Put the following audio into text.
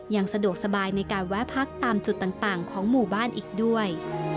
ยังสะดวกสบายในการแวะพักตามจุดต่างของหมู่บ้านอีกด้วย